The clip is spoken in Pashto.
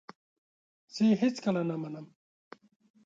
زه یې هیڅکله نه منم !